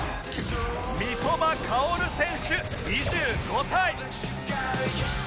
三笘薫選手２５歳